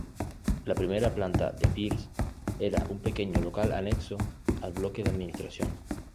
La primera planta de Pears era un pequeño local anexo al bloque de administración.